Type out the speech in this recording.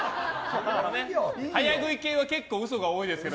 早食い系は結構嘘が多いですが。